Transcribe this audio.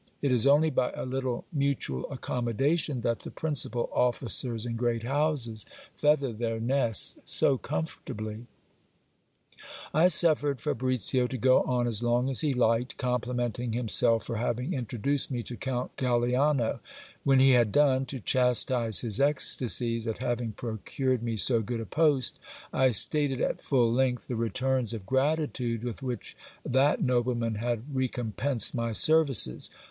It is only by a little mutual accommodation, that the principal officers in great houses feather ther nests so comfortably. 298 GIL BLAS. I suffered Fabricio to go on as long as he liked, complimenting himself for having introduced me to Count Galiano. When he had done, to chastise his ecstasies at having procured me so good a post, I stated at full length the re turns of gratitude with which that nobleman had recompensed my services.